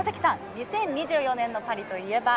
２０２４年のパリといえば。